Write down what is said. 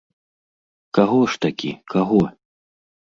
Каго ж такі, каго?